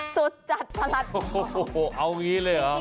สุดจัดประหลัดหมองเอาอย่างงี้เลยเหรอ